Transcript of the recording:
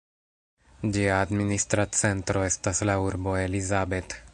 Ĝia administra centro estas la urbo Elizabeth.